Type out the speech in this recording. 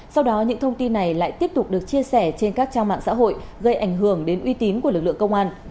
sau đó những thông tin này lại tiếp tục được chia sẻ trên các trang mạng xã hội gây ảnh hưởng đến uy tín của lực lượng công an